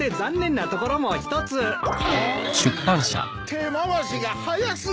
手回しが早すぎる。